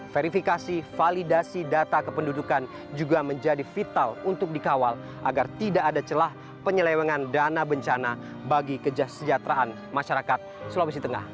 verifikasi validasi data kependudukan juga menjadi vital untuk dikawal agar tidak ada celah penyelewengan dana bencana bagi kesejahteraan masyarakat sulawesi tengah